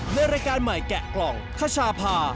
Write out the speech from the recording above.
ในรายการใหม่แกะกล่องคชาพา